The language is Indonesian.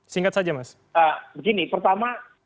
singkat saja mas begini pertama